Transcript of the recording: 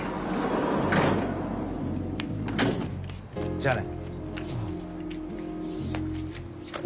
じゃあね。